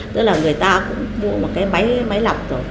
tức là người ta cũng mua một cái máy máy lọc rồi